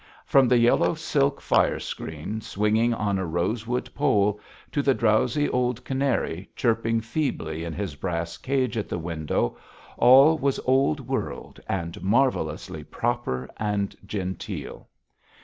From the yellow silk fire screen swinging on a rosewood pole, to the drowsy old canary chirping feebly in his brass cage at the window, all was old world and marvellously proper and genteel.